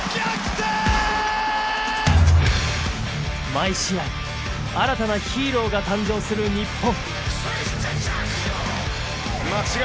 毎試合新たなヒーローが誕生する日本。